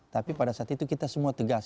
tapi pada saat itu kita semua tegas